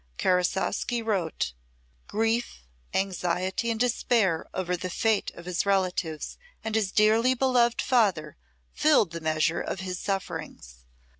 Karasowski wrote: "Grief, anxiety and despair over the fate of his relatives and his dearly beloved father filled the measure of his sufferings.